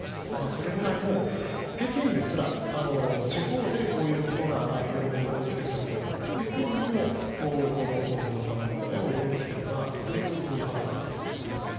それぐらいもう北京ですら地方でこういうことが色々、問題が起きているだけじゃなくて北京でもこの不動産の問題は及んできているなという肌感覚ですね。